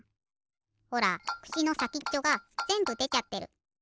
ほらくしのさきっちょがぜんぶでちゃってる。